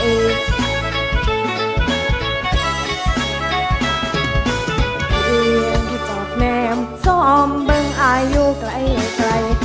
พี่เอียงที่เจาะแนมสอบเบิ้งอายุไกลไกล